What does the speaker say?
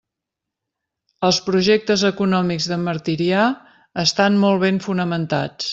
Els projectes econòmics d'en Martirià estan molt ben fonamentats.